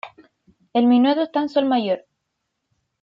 El minueto está en "sol mayor".